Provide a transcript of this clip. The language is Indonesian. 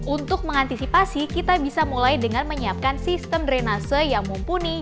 untuk mengantisipasi kita bisa mulai dengan menyiapkan sistem drenase yang mumpuni